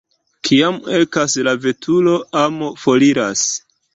Kiam ekas la veturo, amo foriras.